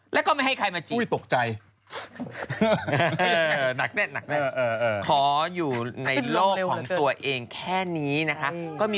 แล้วก็ไม่ให้ใครมาจี้ตกใจ